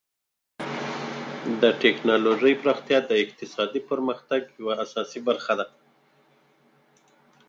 د ټکنالوژۍ پراختیا د اقتصادي پرمختګ یوه اساسي برخه ده.